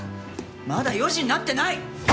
まだ４時になってない！